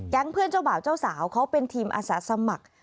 แก๊งเพื่อนเจ้าบ่าวเจ้าสาวเขาเป็นทีมอาศัทรรย์สมัคร